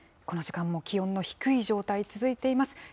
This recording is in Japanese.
この時間も気温の低い状態、続いています。